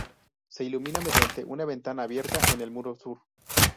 Se ilumina mediante una ventana abierta en el muro sur.